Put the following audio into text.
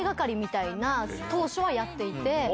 当初はやっていて。